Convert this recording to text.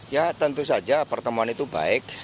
ya tentu saja pertemuan itu baik